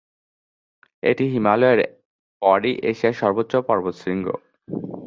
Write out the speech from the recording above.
এটি হিমালয়ের পরই এশিয়ার সর্বোচ্চ পর্বতশৃঙ্গ।